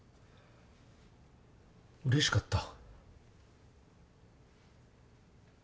うれしかった。